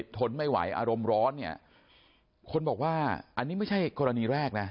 ทนไม่ไหวอารมณ์ร้อนเนี่ยคนบอกว่าอันนี้ไม่ใช่กรณีแรกนะ